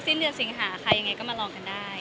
สิ้นเดือนสิงหาใครยังไงก็มาลองกันได้